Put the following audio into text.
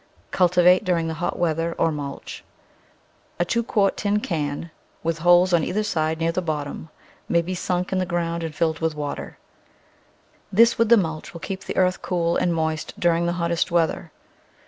Cultivate during the hot weather or mulch. A two quart tin can, with holes on one side near the bottom, may be sunk in the ground and filled with water. This with the mulch will keep the earth cool and moist during the hottest weather.